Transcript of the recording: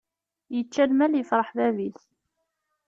Yečča lmal yefreḥ bab-is.